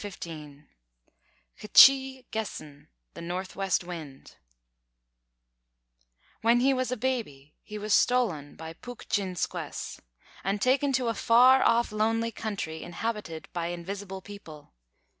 K'CHĪ GESS'N, THE NORTHWEST WIND When he was a baby he was stolen by "Pūkjinsquess," and taken to a far off lonely country inhabited by invisible people.